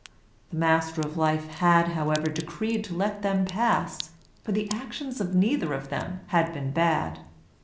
The Master of Life had, however, decreed to let them pass, for the actions of neither of them had been bad.